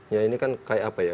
ya ini kan kayak apa ya